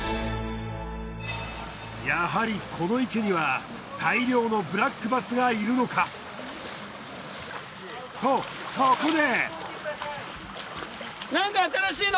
やはりこの池には大量のブラックバスがいるのか？とそこで。